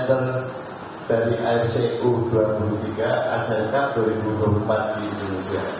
yang dimaksud komersial di sini adalah memukul bayaran